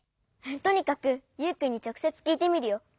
とにかくユウくんにちょくせつきいてみるよ。